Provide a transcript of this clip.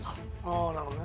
ああなるほどね。